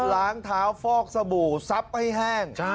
ล้างเท้าฟอกสบู่ซับให้แห้ง